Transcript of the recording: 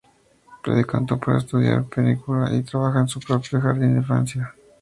Se decantó por estudiar puericultura, y trabaja en su propio jardín de infancia.